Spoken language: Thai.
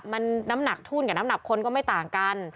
มันน้ำหนักทุ่นกับน้ำหนักคนก็ไม่ต่างกัน